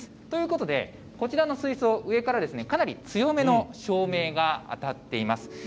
ということで、こちらの水槽、上からかなり強めの照明が当たっています。